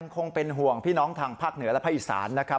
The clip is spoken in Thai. คงเป็นห่วงพี่น้องทางภาคเหนือและภาคอีสานนะครับ